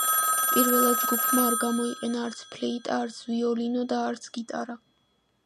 პირველად ჯგუფმა არ გამოიყენა არც ფლეიტა, არც ვიოლინო და არც გიტარა.